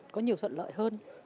có nhiều thuận lợi hơn